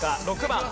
６番。